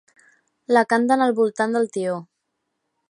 La canten al voltant del tió.